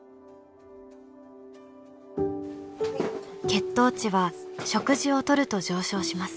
血糖値は食事をとると上昇します。